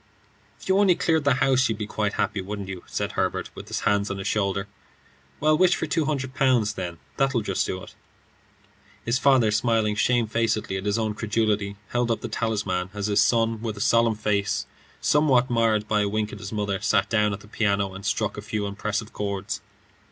"If you only cleared the house, you'd be quite happy, wouldn't you?" said Herbert, with his hand on his shoulder. "Well, wish for two hundred pounds, then; that 'll just do it." His father, smiling shamefacedly at his own credulity, held up the talisman, as his son, with a solemn face, somewhat marred by a wink at his mother, sat down at the piano and struck a few impressive chords.